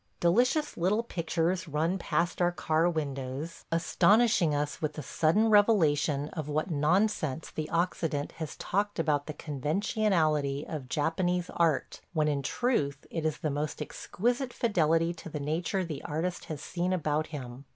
... Delicious little pictures run past our car windows, astonishing us with the sudden revelation of what nonsense the Occident has talked about the conventionality of Japanese art, when, in truth, it is the most exquisite fidelity to the nature the artist has seen about him.